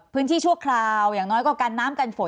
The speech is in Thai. ชั่วคราวอย่างน้อยก็กันน้ำกันฝน